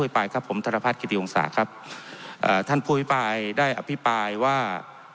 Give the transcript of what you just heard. ผมธรรพาธิกิติวงศาครับอ่าท่านผู้พิปรายได้อภิปรายว่า